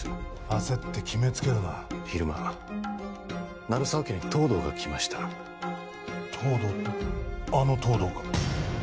焦って決めつけるな昼間鳴沢家に東堂が来ました東堂ってあの東堂か？